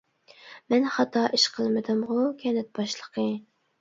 -مەن خاتا ئىش قىلمىدىمغۇ، كەنت باشلىقى.